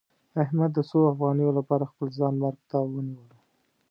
احمد د څو افغانیو لپاره خپل ځان مرګ ته ونیولو.